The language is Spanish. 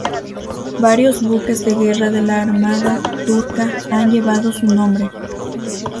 Varios buques de guerra de la armada turca han llevado su nombre.